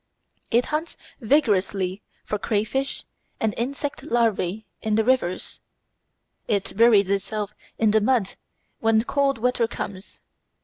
It hunts vigorously for crayfish and insect larvæ in the rivers. It buries itself in the mud when cold weather comes.